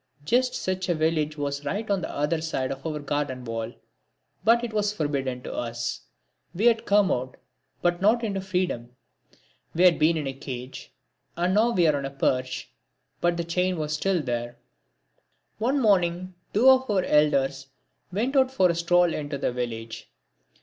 Just such a village was right on the other side of our garden wall, but it was forbidden to us. We had come out, but not into freedom. We had been in a cage, and were now on a perch, but the chain was still there. One morning two of our elders went out for a stroll into the village.